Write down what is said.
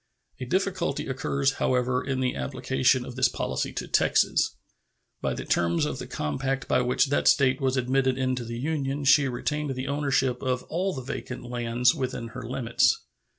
A difficulty occurs, however, in the application of this policy to Texas. By the terms of the compact by which that State was admitted into the Union she retained the ownership of all the vacant lands within her limits.